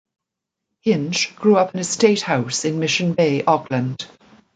Hinge grew up in a state house in Mission Bay, Auckland.